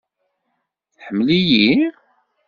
Tḥemmel-iyi?